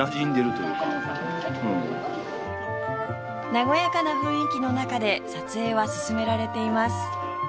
和やかな雰囲気の中で撮影は進められています